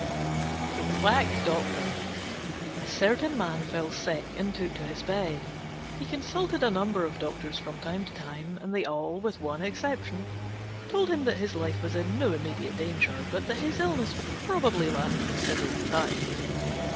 THE QUACK DOCTOR A certain man fell sick and took to his bed. He consulted a number of doctors from time to time, and they all, with one exception, told him that his life was in no immediate danger, but that his illness would probably last a considerable time.